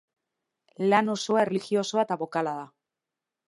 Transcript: Lan osoa erlijiosoa eta bokala da.